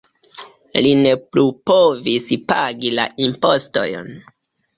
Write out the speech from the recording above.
Li ne plu povis pagi la impostojn.